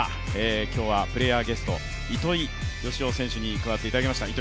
今日はプレーヤーゲスト、糸井嘉男選手に加わっていただきました。